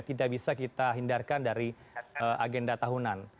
tidak bisa kita hindarkan dari agenda tahunan